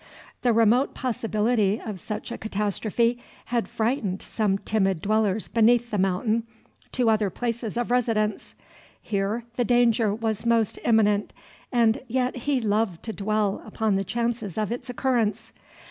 The remote possibility of such a catastrophe had frightened some timid dwellers beneath The Mountain to other places of residence; here the danger was most imminent, and yet he loved to dwell upon the chances of its occurrence.